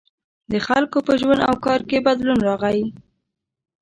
• د خلکو په ژوند او کار کې بدلون راغی.